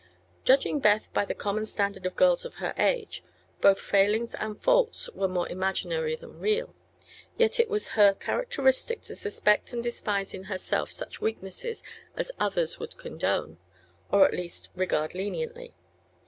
Judging Beth by the common standard of girls of her age, both failings and faults were more imaginary than real; yet it was her characteristic to suspect and despise in herself such weaknesses as others would condone, or at least regard leniently.